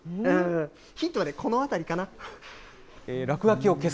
ヒントは、この辺りかな。